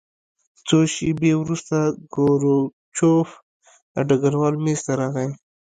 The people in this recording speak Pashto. څو شېبې وروسته کروچکوف د ډګروال مېز ته راغی